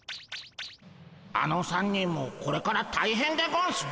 あの３人もこれからたいへんでゴンスな。